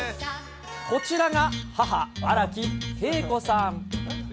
こちらが母、荒木敬子さん。